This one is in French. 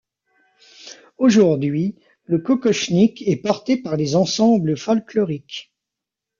Aujourd'hui, le kokochnik est porté par les ensembles folkloriques.